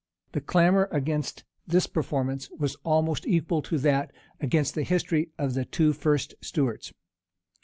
The clamor against this performance was almost equal to that against the history of the two first Stuarts.